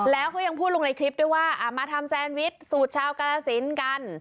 แล้วเขายังพูดลงในคลิปด้วยว่ามาทำแซนวิชสูตรชาวกาลสินกัน